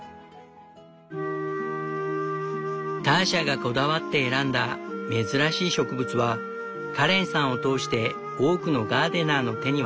ターシャがこだわって選んだ珍しい植物はカレンさんを通して多くのガーデナーの手に渡った。